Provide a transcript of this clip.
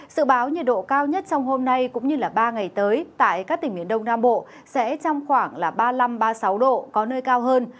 sự báo nhiệt độ cao nhất trong hôm nay cũng như ba ngày tới tại các tỉnh miền đông nam bộ sẽ trong khoảng ba mươi năm ba mươi sáu độ có nơi cao hơn